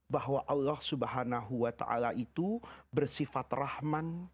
bahwa allah swt itu bersifat rahman